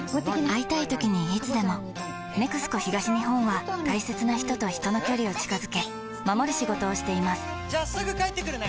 会いたいときにいつでも「ＮＥＸＣＯ東日本」は大切な人と人の距離を近づけ守る仕事をしていますじゃあすぐ帰ってくるね！